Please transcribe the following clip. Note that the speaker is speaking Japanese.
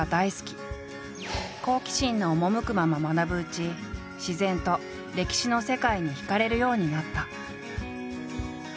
好奇心の赴くまま学ぶうち自然と歴史の世界に惹かれるようになった。